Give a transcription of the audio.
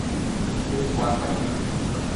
কিন্তু এই কোয়ার্ক বা ইলেকট্রনই কি শেষ কথা!